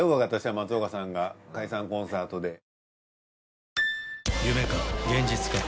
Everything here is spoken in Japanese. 私は松岡さんが解散コンサートで。